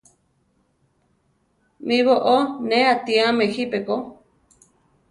Mí boʼó ne atíame jípi ko.